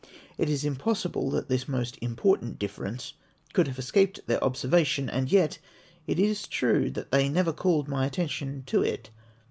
It is impossil)le that this most important difference could have escaped their observation, and yet it is true that they never called my attention to it.